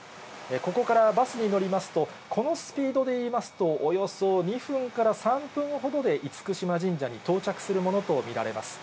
ここからバスに乗りますと、このスピードでいいますと、およそ２分から３分ほどで厳島神社に到着するものと見られます。